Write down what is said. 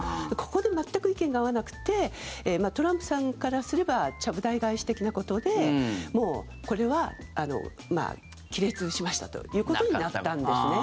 ここで全く意見が合わなくてトランプさんからすればちゃぶ台返し的なことでもうこれは亀裂しましたということになったんですね。